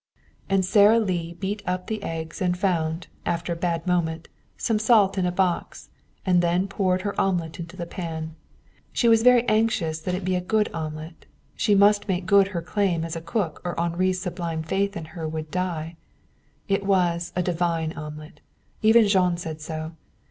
'" And Sara Lee beat up the eggs and found, after a bad moment, some salt in a box, and then poured her omelet into the pan. She was very anxious that it be a good omelet. She must make good her claim as a cook or Henri's sublime faith in her would die. It was a divine omelet. Even Jean said so.